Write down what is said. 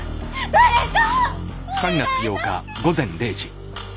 誰か。